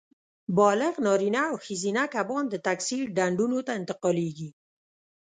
بالغ نارینه او ښځینه کبان د تکثیر ډنډونو ته انتقالېږي.